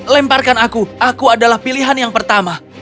lemparkan aku aku adalah pilihan yang pertama